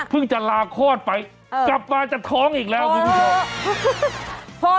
จะลาคลอดไปกลับมาจะท้องอีกแล้วคุณผู้ชม